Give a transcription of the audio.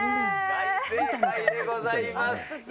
大正解でございます。